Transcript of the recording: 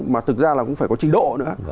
mà thực ra là cũng phải có trình độ nữa